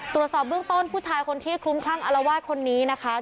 ตรวจสอบเบื้องต้นผู้ชายคนที่คลุ้มคลั่งอารวาสคนนี้นะคะ